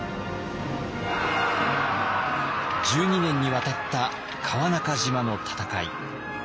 １２年にわたった川中島の戦い。